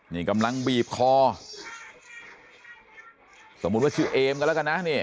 นี่กำลังบีบคอสมมุติว่าชื่อเอมกันแล้วกันนะนี่